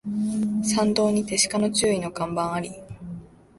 山道にて鹿に注意の看板あり